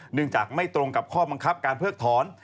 เนื่องจากไม่ตรงกับข้อบังคับการเพิกถอน